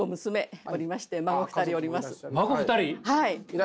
はい！